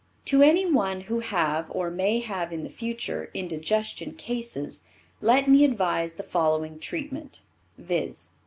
To any one who have, or may have in the future, indigestion cases, let me advise the following treatment, viz.